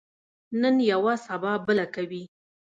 نن یوه، سبا بله کوي.